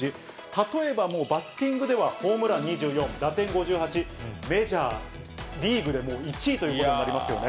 例えばバッティングではホームラン２４、打点５８、メジャーリーグで１位ということになりますよね。